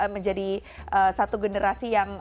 menjadi satu generasi yang